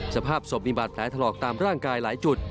สภาพศพมีบาดแผลถลอกตามร่างกายหลายจุด